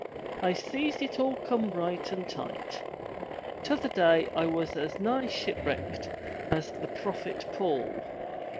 I sees it all come right and tight. T'other day I was as nigh ship wrecked as the prophet Paul.